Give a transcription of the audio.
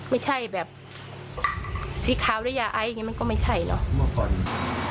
ไม่ใช่แบบสีขาวด้วยยาไอมันก็ไม่ใช่หรอก